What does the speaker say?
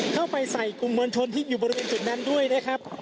เข้าไปใส่กลุ่มมวลชนที่อยู่บริเวณจุดนั้นด้วยนะครับ